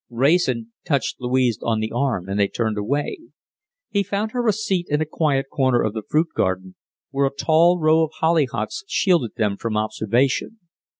Wrayson touched Louise on the arm and they turned away. He found her a seat in a quiet corner of the fruit garden, where a tall row of hollyhocks shielded them from observation.